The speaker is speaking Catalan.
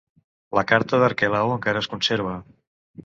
La carta d'Arquelau encara es conserva.